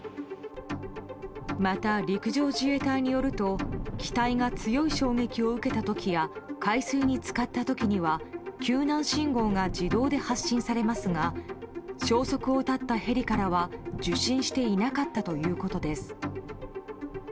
また、陸上自衛隊によると機体が強い衝撃を受けた時や海水に浸かった時には救難信号が自動で発信されますが消息を絶ったヘリからは受信していなかったということです。